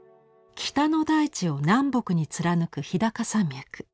北の大地を南北に貫く日高山脈。